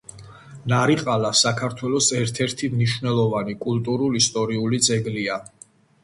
ნარიყალა საქართველოს ერთ-ერთი მნიშვნელოვანი კულტურულ-ისტორიული ძეგლია.